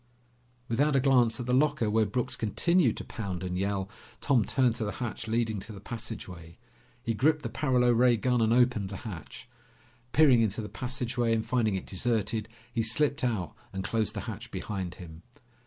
Without a glance at the locker where Brooks continued to pound and yell, Tom turned to the hatch leading to the passageway. He gripped the paralo ray gun and opened the hatch. Peering into the passageway and finding it deserted, he slipped out and closed the hatch behind him.